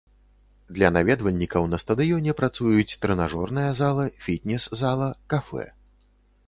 Для наведвальнікаў на стадыёне працуюць трэнажорная зала, фітнес-зала, кафэ.